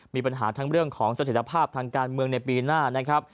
มีปัญหาทั้งเรื่องของเศรษฐภาพทางการเมืองในปีหน้า